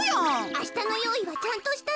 あしたのよういはちゃんとしたの？